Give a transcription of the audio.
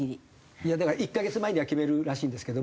いやだから１カ月前には決めるらしいんですけども。